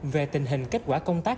về tình hình kết quả công tác